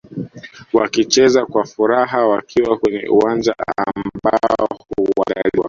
Wakicheza kwa furaha wakiwa kwenye uwanja ambao huandaliwa